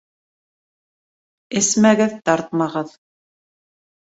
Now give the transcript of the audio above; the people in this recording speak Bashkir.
Эсмәгеҙ, тартмағыҙ!